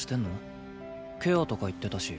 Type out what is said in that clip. ケアとか言ってたし。